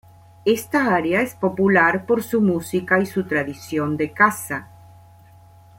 Esta área es popular por su música y su tradición de caza.